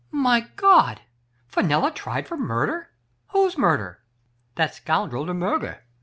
" My God ! Fenella tried for murder? Whose murder ?" "That scoundrel De Miirger.